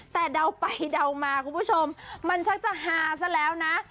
แต่เดาไปเดามาคุณผู้ชมมันชักจะฮาซะแล้วนะ